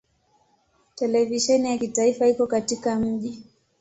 Televisheni ya kitaifa iko katika mji.